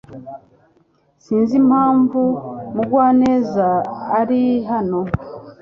Sinzi impamvu Mugwaneza ari hano .